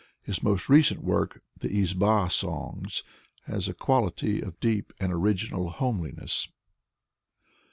His most recent work, ''The Izba Songs", has a quality of deep and original iiomeliness.